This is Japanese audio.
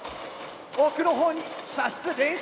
奥の方に射出連射。